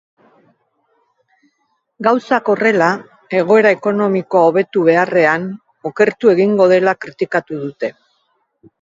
Gauzak horrela, egoera ekonomikoa hobetu beharrean, okertu egingo dela kritikatu dute.